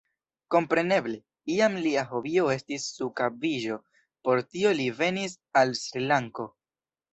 Kompreneble, iam lia hobio estis subakviĝo: por tio li venis al Sri-Lanko.